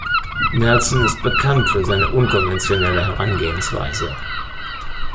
Nelson ist bekannt für seine unkonventionelle Herangehensweise.